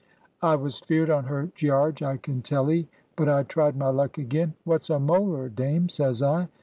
I was feared on her, Gearge, I can tell 'ee; but I tried my luck again. 'What's a molar, Dame?' says I.